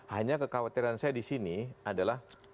hanya kekhawatiran saya di sini adalah